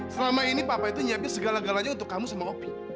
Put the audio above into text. selama ini papa itu nyiapin segala galanya untuk kamu sama opi